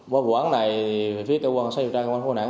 qua quán này phí tế quân xây dựng trang công an phố nẵng